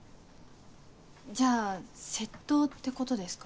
じゃあ窃盗ってことですか？